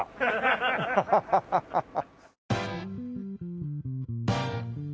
ハハハハハ。